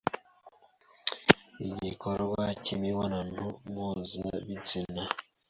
Igikorwa cy’imibonano mpuzabitsina